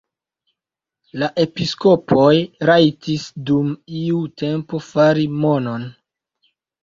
La episkopoj rajtis dum iu tempo fari monon.